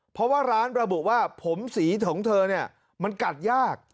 เพราะว่าร้านระบุว่าผมสีของเธอเนี่ยมันกัดยาก